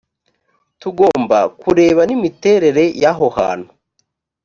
tugomba kureba nimiterere y aho hantu